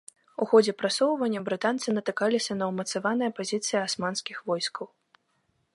У ходзе прасоўвання брытанцы натыкаліся на ўмацаваныя пазіцыі асманскіх войскаў.